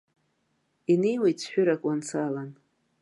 Инеиуеит цәҳәырак уанцалан.